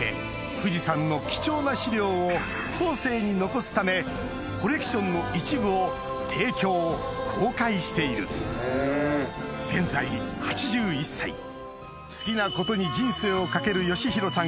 富士山の貴重な資料を後世に残すためコレクションの一部を提供公開している現在８１歳淳さんにぜひ。